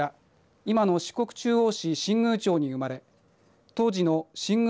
今の四国中央市新宮町に生まれ当時の新宮